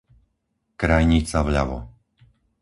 krajnica vľavo